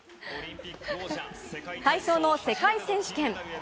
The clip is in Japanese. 体操の世界選手権。